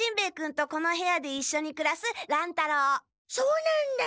そうなんだ！